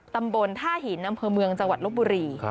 ตำบลท่าหินอำเภอเมืองจังหวัดลบบุรี